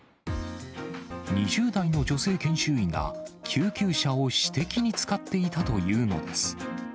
２０代の女性研修医が、救急車を私的に使っていたというのです。